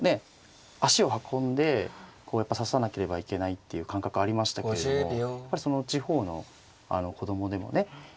足を運んでこうやっぱ指さなければいけないっていう感覚ありましたけれどもやっぱりその地方の子供でもね